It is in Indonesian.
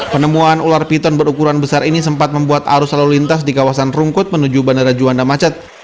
penemuan ular piton berukuran besar ini sempat membuat arus lalu lintas di kawasan rungkut menuju bandara juanda macet